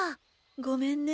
ごめんね。